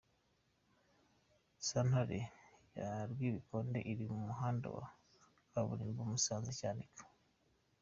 Santere ya Rwibikonde iri ku muhanda wa kaburimbo Musanze-Cyanika.